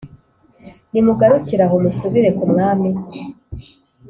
Nimugarukire aho musubire ku mwami